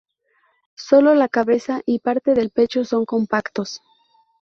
Sólo la cabeza y parte del pecho son compactos.